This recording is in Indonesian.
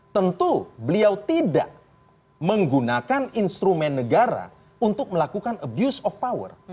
tentu beliau tidak menggunakan instrumen negara untuk melakukan abuse of power